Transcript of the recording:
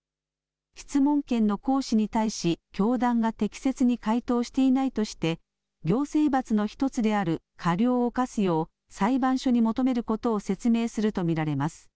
質問権の行使に対し教団が適切に回答していないとして行政罰の１つである過料を科すよう裁判所に求めることを説明すると見られます。